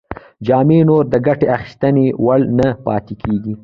جامې نور د ګټې اخیستنې وړ نه پاتې کیږي.